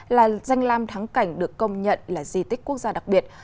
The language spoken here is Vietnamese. là danh lam thắng cảnh được công nhận là di tích quốc gia đặc biệt